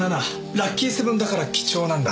ラッキーセブンだから貴重なんだ。